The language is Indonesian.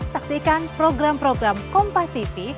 saksikan program program kompas tv